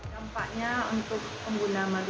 dampaknya untuk pengguna madu